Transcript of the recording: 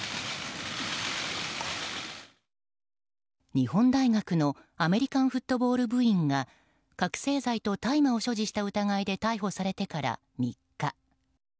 日本大学のアメリカンフットボール部員が覚醒剤と大麻を所持した疑いで逮捕されてから３日。